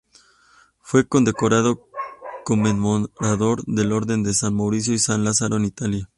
Fue Condecorado Comendador de la Orden de San Mauricio y San Lázaro en Italia.